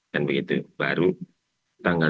dan begitu baru tanggal dua puluh tujuh